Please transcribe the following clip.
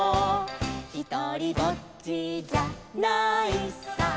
「ひとりぼっちじゃないさ」